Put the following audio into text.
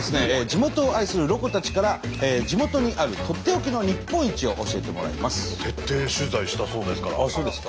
地元を愛するロコたちから地元にあるとっておきの日本一を教えてもらいます。